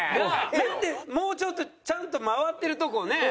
なんでもうちょっとちゃんと回ってるとこねえ？